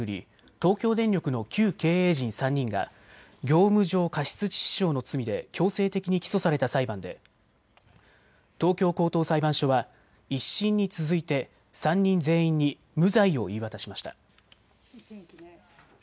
東京電力の旧経営陣３人が業務上過失致死傷の罪で強制的に起訴された裁判で東京高等裁判所は１審に続いて３人全員に無罪を言い渡しました。